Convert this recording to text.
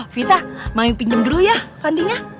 vita mau pinjem dulu ya fandinya